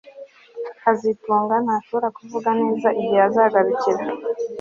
kazitunga ntashobora kuvuga neza igihe azagarukira